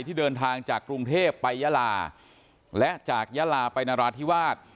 ที่เดินทางจากกรุงเทพไปยาลาและจากยาลาไปนราธิวาส